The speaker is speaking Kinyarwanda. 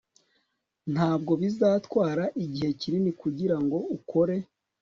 ntabwo bizatwara igihe kinini kugirango ukore